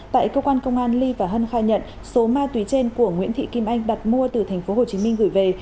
tại cơ quan công an ly và hân khai nhận số ma túy trên của nguyễn thị kim anh đặt mua từ tp hcm gửi về